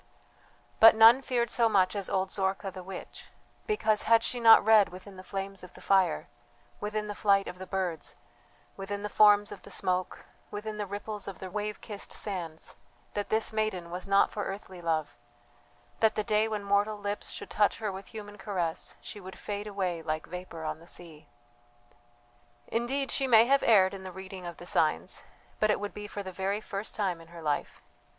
But none feared so much as old Zorka the witch because had she not read within the flames of the fire, within the flight of the birds, within the forms of the smoke, within the ripples of the wave kissed sands, that this maiden was not for earthly love, that the day when mortal lips should touch her with human caress she would fade away like vapour on the sea! Indeed she may have erred in the reading of the signs, but it would be for the very first time in her life.